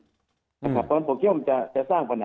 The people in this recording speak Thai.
ผมถ้าเป็นไปได้นะครับผมคิดว่าสววรรองให้เขาจัดวัตตาบานกันก่อน